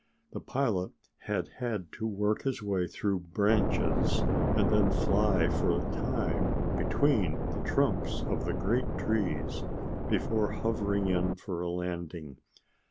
The pilot had had to work his way through branches and then fly for a time between the trunks of the great trees before hovering in for a landing.